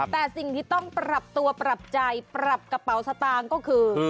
แต่สิ่งที่ต้องปรับตัวปรับใจปรับกระเป๋าสตางค์ก็คือ